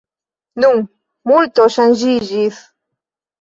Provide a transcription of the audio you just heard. Nun multo ŝanĝiĝis.